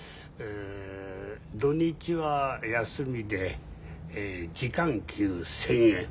土日は休みで時間給１，０００円。